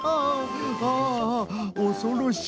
ああおそろしや。